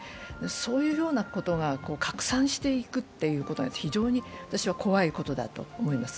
そういうようなことが拡散していくことが非常に私は怖いことだと思います。